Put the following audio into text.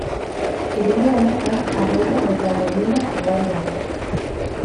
Eremu honetan arroila eta dolina ugari dago.